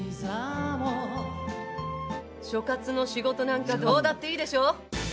所轄の仕事なんかどうだっていいでしょ！